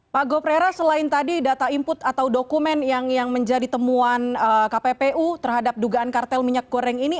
pak goprera selain tadi data input atau dokumen yang menjadi temuan kppu terhadap dugaan kartel minyak goreng ini